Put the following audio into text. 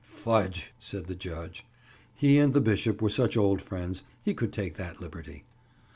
"Fudge!" said the judge. He and the bishop were such old friends, he could take that liberty.